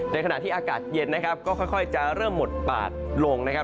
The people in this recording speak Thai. ในขณะที่อากาศเย็นนะครับก็ค่อยจะเริ่มหมดปาดลงนะครับ